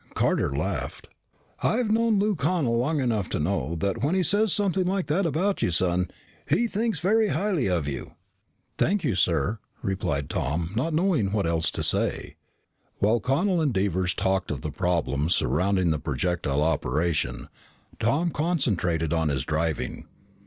Carter laughed. "I've known Lou Connel long enough to know that when he says something like that about you, son, he thinks very highly of you." "Thank you, sir," replied Tom, not knowing what else to say. While Connel and Devers talked of the problems surrounding the projectile operation, Tom concentrated on his driving.